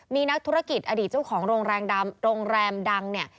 มีนักธุรกิจอดีตเจ้าของโรงแรมดังเนี่ย